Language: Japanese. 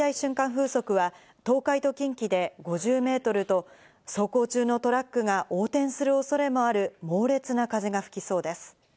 風速は東海と近畿で５０メートルと、走行中のトラックが横転するおそれもある猛烈な風が吹きそうです。